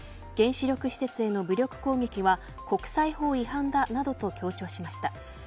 原子力施設への武力攻撃は国際法違反だなどと強調しました。